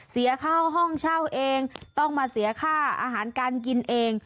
เสียค่าห้องเช่าเองต้องมาเสียค่าอาหารการกินเอง